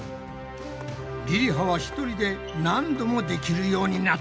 りりははひとりで何度もできるようになった！